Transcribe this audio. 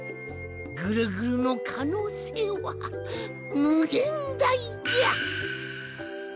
ぐるぐるのかのうせいはむげんだいじゃ！